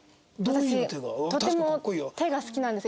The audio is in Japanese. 私とても手が好きなんですよ。